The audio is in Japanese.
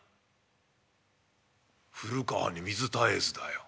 『古川に水絶えず』だよ。